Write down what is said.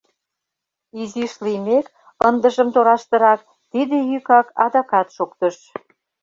изиш лиймек, ындыжым тораштырак, тиде йӱкак адакат шоктыш...